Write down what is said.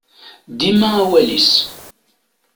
Dima awal-is.